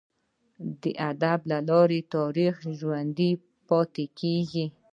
د ادب له لاري تاریخ ژوندي پاته کیږي.